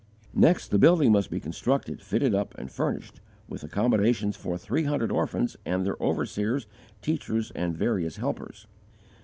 Next the building must be constructed, fitted up, and furnished, with accommodations for three hundred orphans and their overseers, teachers, and various helpers.